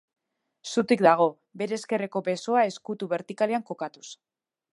Zutik dago, bere ezkerreko besoa ezkutu bertikalean kokatuz.